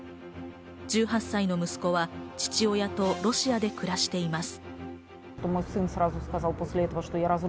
１８歳の息子は父親とロシアで暮らしています。